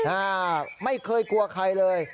อ่าไม่เคยกลัวใครเลย